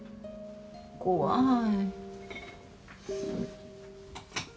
怖い。